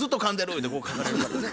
ゆうてこう書かれるからね。